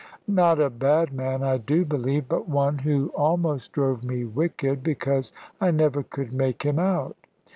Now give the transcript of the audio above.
Not a bad man, I do believe, but one who almost drove me wicked, because I never could make him out.